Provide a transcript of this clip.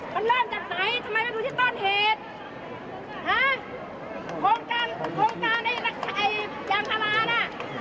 มันเริ่มจากไหนทำไมมาดูที่ต้นเหตุฮะโครงการโครงการไอ้ยางพาราน่ะ